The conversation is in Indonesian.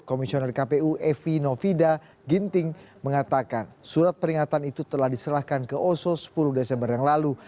komisioner kpu evi novida ginting mengatakan surat peringatan itu telah diserahkan ke oso sepuluh desember yang lalu